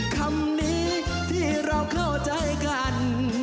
คำนี้ที่เราเข้าใจกัน